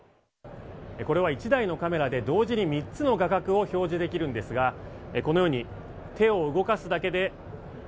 これは、１台のカメラで同時に３つの画角を表示できるんですがこのように手を動かすだけで